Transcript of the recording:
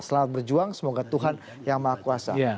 selamat berjuang semoga tuhan yang maha kuasa